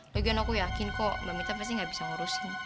bagian aku yakin kok mbak mita pasti gak bisa ngurusin